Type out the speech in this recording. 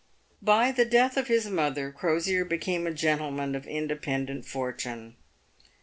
'■/' By the death of his mother, Crosier became a gentleman of inde pendent fortune.